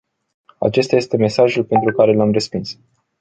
Acesta este motivul pentru care le-am respins.